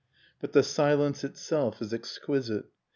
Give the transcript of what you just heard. . But the silence itself is exquisite.